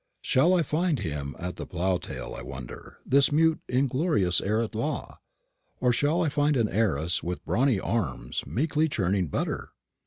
Shall I find him at the plough tail, I wonder, this mute inglorious heir at law? or shall I find an heiress with brawny arms meekly churning butter?